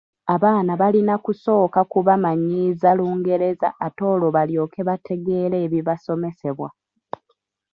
Abaana balina kusooka kubamanyiiza Lungereza ate olwo balyoke bategeere ebibasomesebwa.